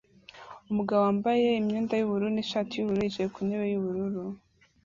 Umugabo wambaye imyenda yubururu nishati yubururu yicaye ku ntebe yubururu